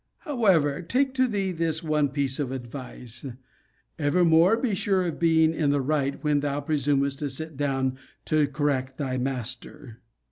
However, take to thee this one piece of advice Evermore be sure of being in the right, when thou presumest to sit down to correct thy master.